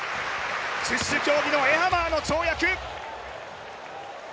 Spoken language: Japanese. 十種競技のエハマーの跳躍。